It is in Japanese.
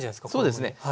そうですね。